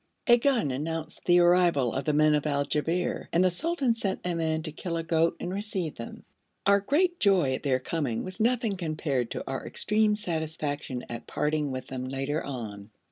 A gun announced the arrival of the men of Al Jabber, and the sultan sent a man to kill a goat and receive them. Our great joy at their coming was nothing compared to our extreme satisfaction at parting with them later on.